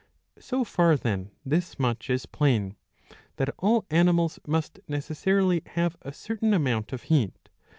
So far then this much is plain, that all animals must necessarily have a certain amount of heat.